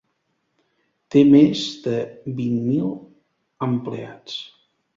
Té més de vint mil empleats.